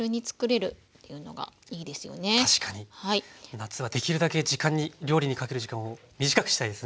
夏はできるだけ料理にかける時間を短くしたいですね。